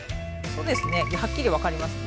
そうですね。はっきり分かります。